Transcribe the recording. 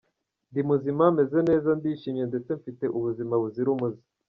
Ndi muzima, meze neza, ndishimye ndetse mfite ubuzima buzira umuze.